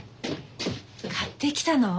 買ってきたの？